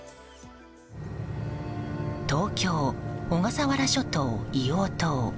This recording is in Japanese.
東京・小笠原諸島硫黄島。